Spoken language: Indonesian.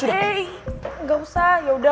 eh gak usah yaudah